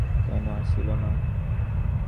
কেন আসিল না?